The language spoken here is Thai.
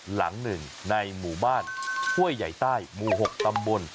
หลังหนึ่งในหมู่บ้านห้วยใหญ่ใต้หมู่๖ตำบล